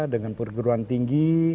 dengan pergeruan tinggi